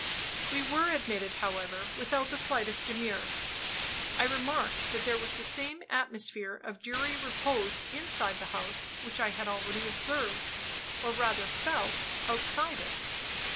We were admitted, however, without the slightest demur. I remarked that there was the same atmosphere of dreary repose inside the house which I had already observed, or rather felt, outside it.